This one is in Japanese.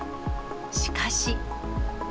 しかし。